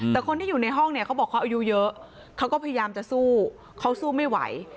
แต่คนที่อยู่ในห้องเนี่ยเขาบอกเขาอายุเยอะเขาก็พยายามจะสู้เขาสู้ไม่ไหว